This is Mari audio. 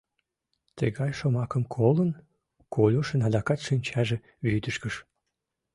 Тыгай шомакым колын, Колюшын адакат шинчаже вӱдыжгыш.